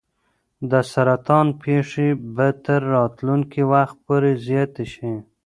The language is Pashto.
د سرطان پېښې به تر راتلونکي وخت پورې زیاتې شي.